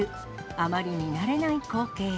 あまり見慣れない光景。